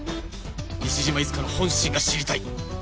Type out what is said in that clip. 西島いつかの本心が知りたい